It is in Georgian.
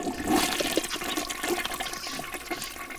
მაგრამ ტრიბუნებზე ისხდნენ ჩემი მეგობრები, ახლობლები, გუნდის წევრები.